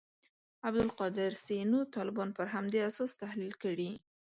عبدالقادر سینو طالبان پر همدې اساس تحلیل کړي.